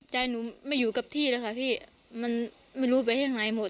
ใจหนูไม่อยู่กับที่แล้วค่ะพี่มันไม่รู้ไปที่ไหนหมด